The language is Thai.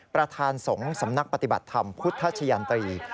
ประธานสงฆ์สำนักปฏิบัติธรรมพุทธชะยันตรี